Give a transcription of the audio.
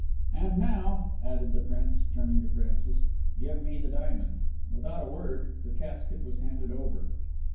"And now," added the Prince, turning to Francis, "give me the diamond." Without a word the casket was handed over.